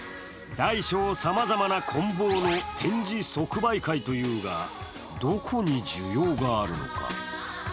大小さまざまな、こん棒の展示即売会というが、どこに需要があるのか？